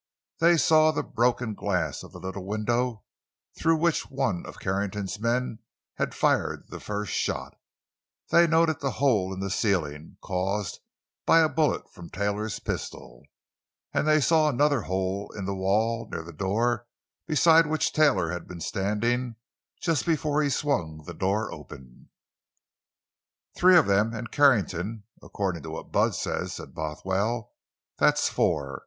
They saw the broken glass of the little window through which one of Carrington's men had fired the first shot; they noted the hole in the ceiling—caused by a bullet from Taylor's pistol; and they saw another hole in the wall near the door beside which Taylor had been standing just before he had swung the door open. "Three of them—an' Carrington—accordin' to what Bud says," said Bothwell. "That's four."